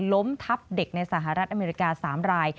ล้มทับเด็กในสหรัฐอเมริกา๓ราย